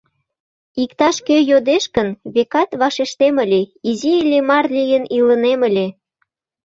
Иктаж-кӧ йодеш гын, векат, вашештем ыле: «Изи Иллимар лийын илынем ыле».